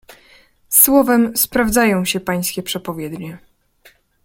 "Słowem sprawdzają się pańskie przepowiednie."